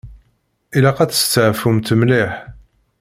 Ilaq ad testeɛfumt mliḥ.